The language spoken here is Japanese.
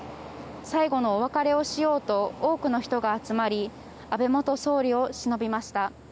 最後のお別れをしようと多くの人が集まり安倍元総理を偲びました。